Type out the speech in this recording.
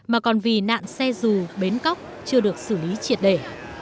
mà còn vì nạn xe dù bến cóc chưa được xử lý triệt để